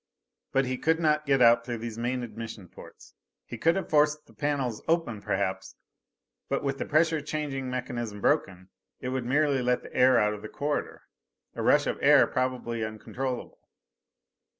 But he could not get out through these main admission ports. He could have forced the panels open perhaps; but with the pressure changing mechanism broken, it would merely let the air out of the corridor. A rush of air, probably uncontrollable.